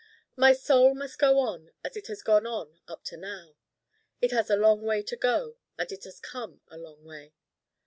My Soul must go on as it has gone on up to now. It has a long way to go, and it has come a long way.